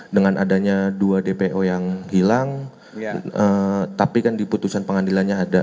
dengan adanya dua dpo yang hilang tapi kan di putusan pengadilannya ada